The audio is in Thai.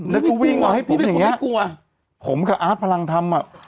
แล้วก็วิ่งมาให้ผมอย่างเงี้น่ากลัวผมกับอาร์ตพลังธรรมอ่ะ